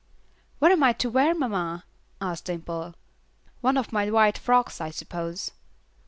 "What am I to wear, mamma?" asked Dimple. "One of my white frocks, I suppose."